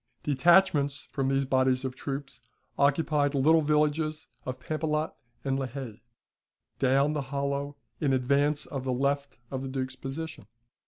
Detachments from these bodies of troops occupied the little villages of Papelotte and La Haye, down the hollow in advance of the left of the Duke's position.